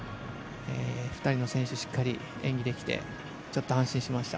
２人の選手、しっかり演技できてちょっと安心しました。